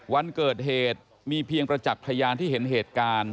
วันเกิดเหตุมีเพียงประจักษ์พยานที่เห็นเหตุการณ์